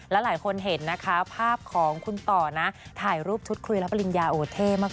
หลายคนเห็นนะคะภาพของคุณต่อนะถ่ายรูปชุดคุยรับปริญญาโอเท่มาก